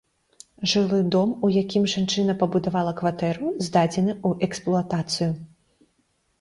Жылы дом, у якім жанчына пабудавала кватэру, здадзены ў эксплуатацыю.